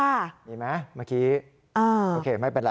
เห็นไหมเมื่อกี้เออโอเคไม่เป็นไร